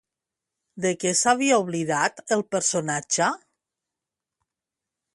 De què s'havia oblidat el personatge?